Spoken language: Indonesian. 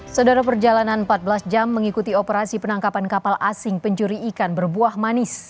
saudara perjalanan empat belas jam mengikuti operasi penangkapan kapal asing pencuri ikan berbuah manis